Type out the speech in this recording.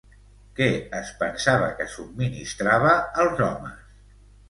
Què es pensava que subministrava als homes?